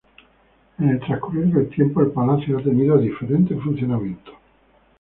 En el transcurrir del tiempo, el palacio ha tenido diferentes funcionamientos.